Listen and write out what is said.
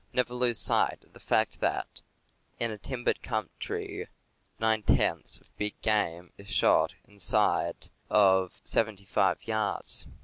Never lose sight of the fact that, in a timbered country, nine tenths of big game is shot inside of 75 yards.